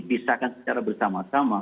disahkan secara bersama sama